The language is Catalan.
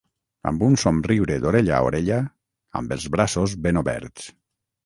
Amb un somriure d’orella a orella, amb els braços ben oberts.